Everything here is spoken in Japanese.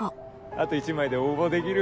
あと１枚で応募できる。